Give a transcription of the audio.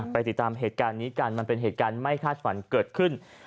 ติดตามเหตุการณ์นี้กันมันเป็นเหตุการณ์ไม่คาดฝันเกิดขึ้น